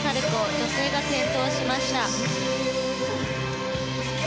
女性が転倒しました。